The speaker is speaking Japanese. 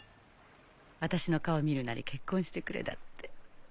私の顔を見るなり「結婚してくれ」だって。